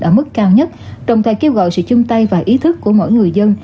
ở mức cao nhất đồng thời kêu gọi sự chung tay và ý thức của mỗi người dân